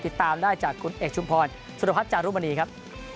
ติดตามได้จากคุณเอกชุมพรสุรพัฒน์จารุมณีครับ